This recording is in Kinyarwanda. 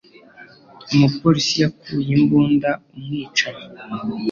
Umupolisi yakuye imbunda umwicanyi.